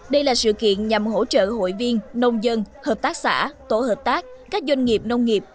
đây là sự kiện nhằm hỗ trợ hội viên nông dân hợp tác xã tổ hợp tác các doanh nghiệp nông nghiệp